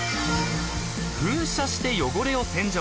［噴射して汚れを洗浄］